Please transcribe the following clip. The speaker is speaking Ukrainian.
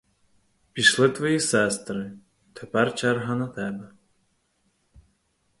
Пішли твої сестри, тепер черга на тебе.